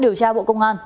điều tra bộ công an